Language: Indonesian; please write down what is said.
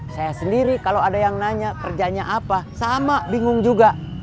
saya sendiri kalau ada yang nanya kerjanya apa sama bingung juga